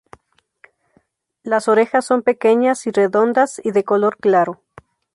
Las orejas son pequeñas y redondas y de color claro.